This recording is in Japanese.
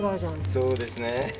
そうです。